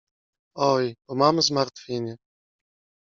— Oj, bo mam zmartwienie.